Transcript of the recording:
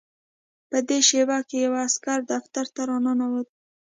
په دې شېبه کې یو عسکر دفتر ته راننوت